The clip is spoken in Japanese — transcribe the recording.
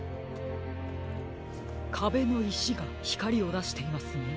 かべのいしがひかりをだしていますね。